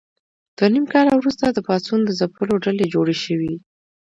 دوه نیم کاله وروسته د پاڅون د ځپلو ډلې جوړې شوې.